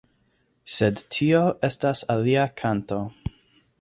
Sed tio estas alia kanto.